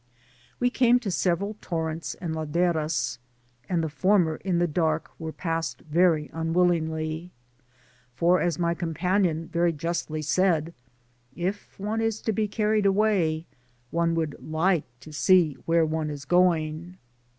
We came to several torrents and laderas, and the form^ in the dark were passed very unwillingly, for, as my companion very justly said, *• If one is to Digitized byGoogk 176 PASSAOB ACROSS be carried away, one would like to see where one is going."